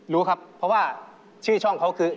รู้ครับเพราะว่าชื่อช่องเขาคือ